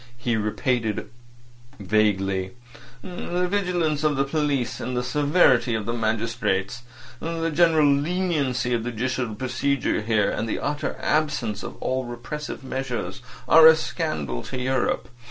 He repeated vaguely. "The vigilance of the police—and the severity of the magistrates. The general leniency of the judicial procedure here, and the utter absence of all repressive measures, are a scandal to Europe.